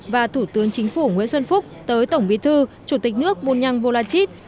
và thủ tướng chính phủ nguyễn xuân phúc tới tổng bí thư chủ tịch nước bunyang volachit